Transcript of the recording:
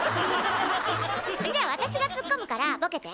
じゃ私がツッコむからボケて。